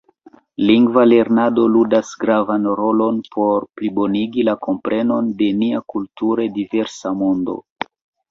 Lingva lernado ludas gravan rolon por plibonigi la komprenon de nia kulture diversa mondo.